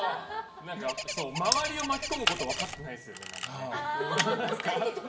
周りを巻き込むことを分かってないですよね。